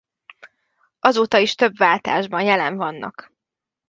Azóta is több váltásban jelen vannak.